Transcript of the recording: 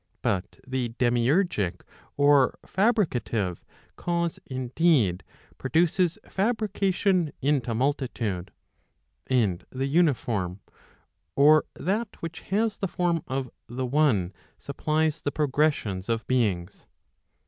But the demiurgic or fabricative cause indeed, produces fabrication into multitude. And the uniform, or that which has the form of the one supplies the progressions of beings.